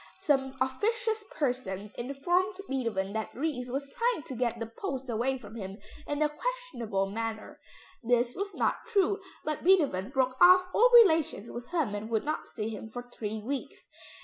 Some officious person informed Beethoven that Ries was trying to get the post away from him in a questionable manner. This was not true, but Beethoven broke off all relations with him and would not see him for three weeks.